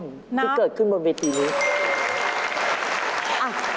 ที่เกิดขึ้นบนเวทีนี้